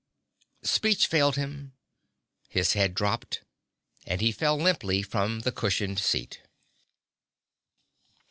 Speech failed him. His head dropped and he fell limply from the cushioned seat.